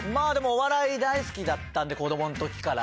お笑い大好きだったんで子供の時から。